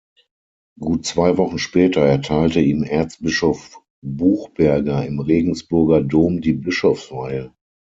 Gut zwei Wochen später erteilte ihm Erzbischof Buchberger im Regensburger Dom die Bischofsweihe.